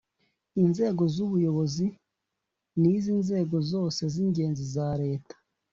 inzego iz ubuyobozi n iz inzego zose z ingenzi za leta